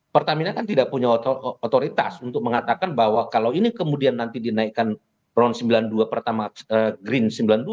pertamina kan tidak punya otoritas untuk mengatakan bahwa kalau ini kemudian nanti dinaikkan ron sembilan puluh dua pertama green sembilan puluh dua